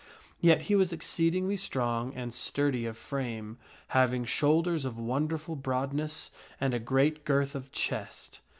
Yet he was exceedingly strong and sturdy of frame, having shoulders of wonderful broadness and a great girth of chest.